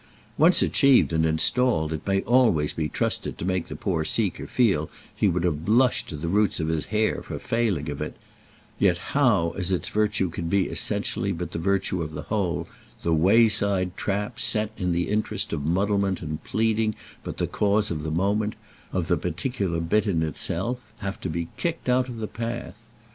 Once achieved and installed it may always be trusted to make the poor seeker feel he would have blushed to the roots of his hair for failing of it; yet, how, as its virtue can be essentially but the virtue of the whole, the wayside traps set in the interest of muddlement and pleading but the cause of the moment, of the particular bit in itself, have to be kicked out of the path!